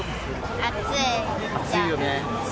暑いよね。